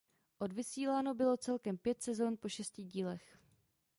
Odvysíláno bylo celkem pět sezón po šesti dílech.